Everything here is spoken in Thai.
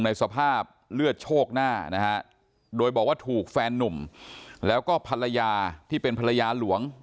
ในสภาพเลือดโชคหน้านะฮะโดยบอกว่าถูกแฟนนุ่มแล้วก็ภรรยาที่เป็นภรรยาหลวง